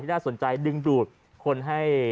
โรงพยาบาล